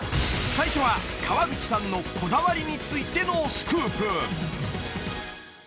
［最初は川口さんのこだわりについてのスクープ］